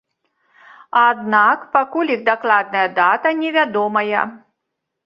Аднак пакуль іх дакладная дата невядомая.